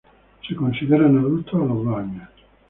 Se consideran adultos a los dos años.